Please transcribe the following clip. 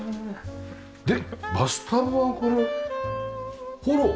でバスタブはこれホーロー？